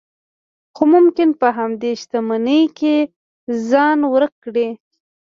خو ممکن په همدې شتمنۍ کې ځان ورک کړئ.